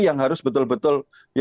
yang harus betul betul